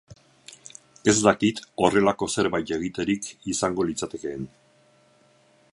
Ez dakit horrelako zerbait egiterik izango litzatekeen.